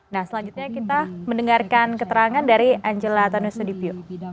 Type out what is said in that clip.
nah selanjutnya kita mendengarkan keterangan dari angela tanusudipio